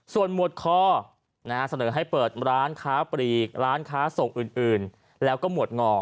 ส่วนหมวดคอเสนอให้เปิดร้านค้าปลีกร้านค้าส่งอื่นแล้วก็หมวดงอ